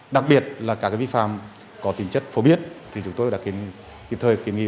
đặc biệt là các vi phạm có tính chất phổ biến thì chúng tôi đã kiểm thời kiểm nghi